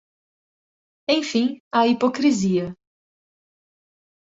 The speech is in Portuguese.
Enfim, a hipocrisia